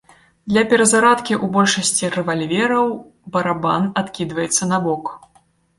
Для перазарадкі ў большасці рэвальвераў барабан адкідваецца набок.